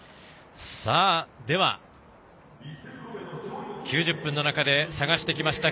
では、９０分の中で探してきました